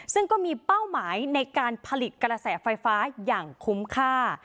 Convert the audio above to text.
ซึ่งก็มีเป้าหมายในการผลิตกระแสไฟฟ้าอย่างคุ้มค่า